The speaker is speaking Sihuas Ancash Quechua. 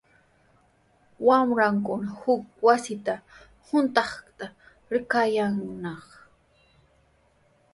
Wamrakuna huk wasita quntaykaqta rikayaanaq.